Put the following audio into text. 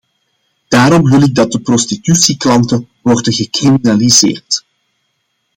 Daarom wil ik dat de prostitutieklanten worden gecriminaliseerd.